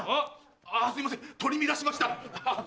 あっすいません取り乱しました。